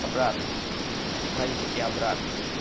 ভাই, সে কি আবরার?